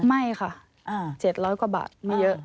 ไม่ค่ะ๗๐๐กว่าบาทไม่เยอะ